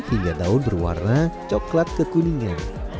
hingga daun berwarna coklat kekuningan